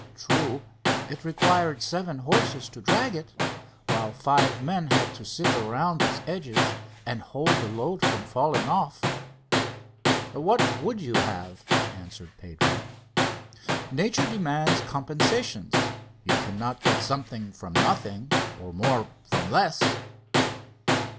True, it required seven horses to drag it, while five men had to sit around its edges and hold the load from falling off." "What would you have?" answered Pedro. "Nature demands compensations. You cannot get something from nothing or more from less!"